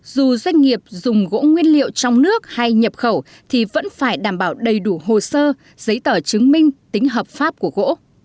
dù doanh nghiệp dùng gỗ nguyên liệu trong nước hay nhập khẩu thì vẫn phải đảm bảo đầy đủ hồ sơ giấy tờ chứng minh tính hợp pháp của gỗ